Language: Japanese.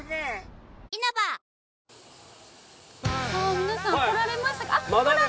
皆さん来られました！